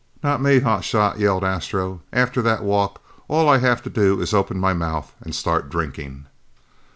"Not me, hot shot," yelled Astro. "After that walk, all I'd have to do is open my mouth and start drinking."